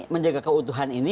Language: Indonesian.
menjaga keutuhan ini